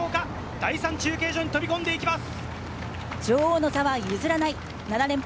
第３中継所に飛び込んでいきます。